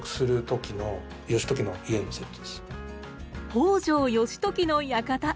北条義時の館！